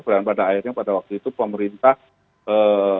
dan pada akhirnya pada waktu itu pemerintah memutuskan